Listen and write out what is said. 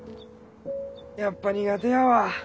やっぱ苦手やわ